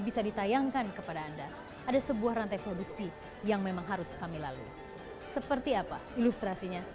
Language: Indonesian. tidak ada pertempuran